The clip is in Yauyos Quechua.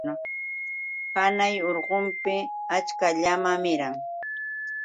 Hanay urqupim achka llama miran.